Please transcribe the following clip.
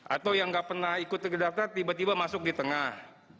atau yang gak pernah ikut terdaftar tiba tiba masuk di tengah